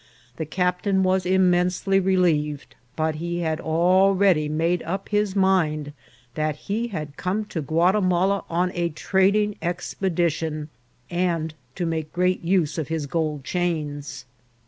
The captain was immensely relieved ; but he had already made up his mind that he had come to Guatimala on a trading expedition, and to make great use of his gold chains.